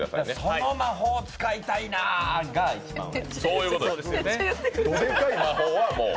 その魔法使いたいなが一番上。